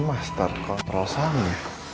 ini master kontrol sama